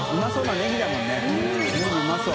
ネギうまそう。